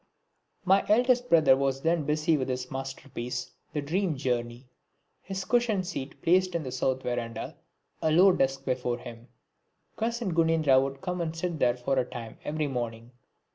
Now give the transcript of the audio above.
My eldest brother was then busy with his masterpiece "The Dream Journey," his cushion seat placed in the south verandah, a low desk before him. Cousin Gunendra would come and sit there for a time every morning.